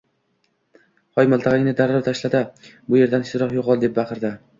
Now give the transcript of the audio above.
— Hoy, miltig’ingni darrov tashla-da, bu yerdan tezroq yo’qol,—deb baqirdi.